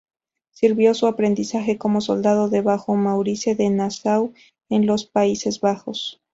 Sirvió su aprendizaje como soldado debajo Maurice de Nassau en los Países Bajos.